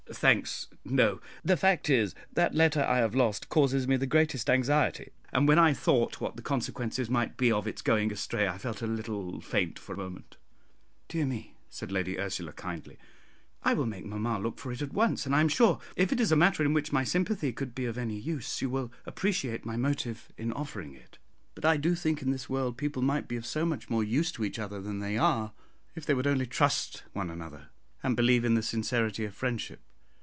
"Thanks, no; the fact is, that letter I have lost causes me the greatest anxiety, and when I thought what the consequences might be of its going astray I felt a little faint for a moment." "Dear me," said Lady Ursula, kindly, "I will make mamma look for it at once, and I am sure if it is a matter in which my sympathy could be of any use, you will appreciate my motive in offering it; but I do think in this world people might be of so much more use to each other than they are, if they would only trust one another, and believe in the sincerity of friendship.